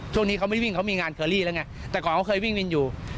ช่วงนี้เขาไม่วิ่งเขามีงานเคอรี่แล้วไงแต่ก่อนเขาเคยวิ่งวินอยู่